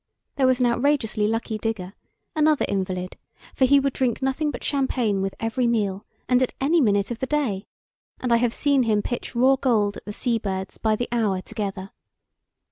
There was an outrageously lucky digger, another invalid, for he would drink nothing but champagne with every meal and at any minute of the day, and I have seen him pitch raw gold at the sea birds by the hour together.